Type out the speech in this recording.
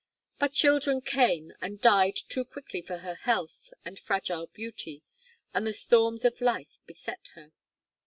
But children came and died too quickly for her health and fragile beauty, and the storms of life beset her.